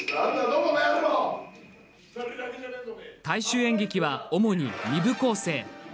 大衆演劇は主に、２部構成。